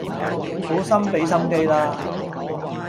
好好畀心機啦